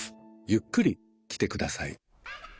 ゆっくり来てください。